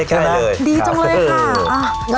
ใช่ใกล้เลยดีจังเลยค่ะ